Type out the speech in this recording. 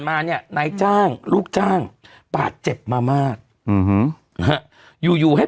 มาเนี่ยนายจ้างลูกจ้างบาดเจ็บมามากอืมนะฮะอยู่อยู่ให้